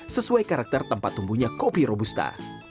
sesuai karakter tempat tumbuhnya kopi robusta